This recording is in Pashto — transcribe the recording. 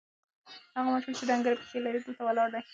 هغه ماشوم چې ډنګرې پښې لري، دلته ولاړ دی.